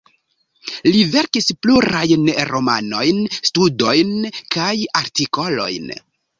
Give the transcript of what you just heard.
Li verkis plurajn romanojn, studojn kaj artikolojn.